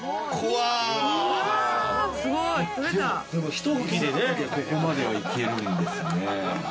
ひと拭きでここまでいけるんですね。